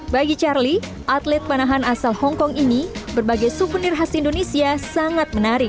bagi charlie atlet panahan asal hongkong ini berbagai souvenir khas indonesia sangat menarik